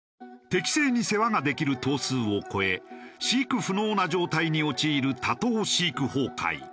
適正に世話ができる頭数を超え飼育不能な状態に陥る多頭飼育崩壊。